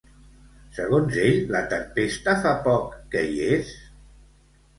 Segons ell, la tempesta fa poc que hi és?